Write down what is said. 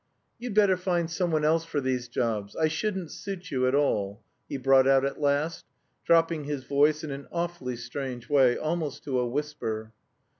"You'd better find someone else for these jobs. I shouldn't suit you at all," he brought out at last, dropping his voice in an awfully strange way, almost to a whisper.